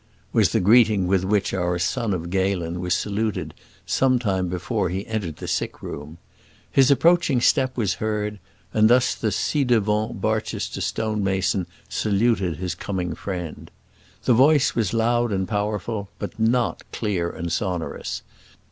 was the greeting with which our son of Galen was saluted some time before he entered the sick room. His approaching step was heard, and thus the ci devant Barchester stone mason saluted his coming friend. The voice was loud and powerful, but not clear and sonorous.